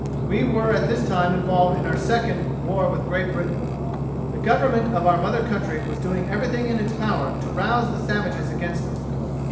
We were at this time involved in our second war with Great Britain. The Government of our mother country was doing everything in its power to rouse the savages against us.